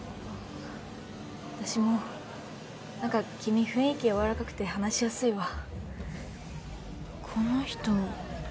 私もなんか君雰囲気柔らかくて話しやすいわ。